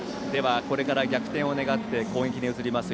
これから逆転を願って攻撃に移ります